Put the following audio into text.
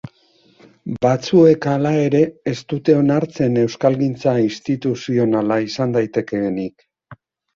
Batzuek, hala ere, ez dute onartzen euskalgintza instituzionala izan daitekeenik.